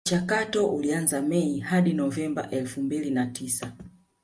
Mchakato ulianza Mei hadi Novemba elfu mbili na tisa